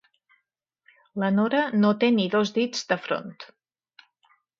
La Nora no té ni dos dits de front.